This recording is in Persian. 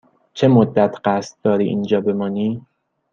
چه مدت قصد داری اینجا بمانی؟